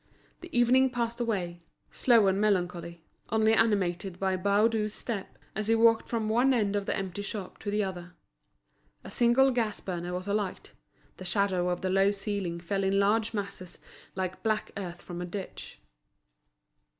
The evening passed away, slow and melancholy, only animated by Baudu's step, as he walked from one end of the empty shop to the other. A single gas burner was alight—the shadow of the low ceiling fell in large masses, like black earth from a ditch.